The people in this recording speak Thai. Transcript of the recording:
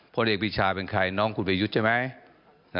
พลเอกปีชาเป็นใครน้องคุณประยุทธ์ใช่ไหม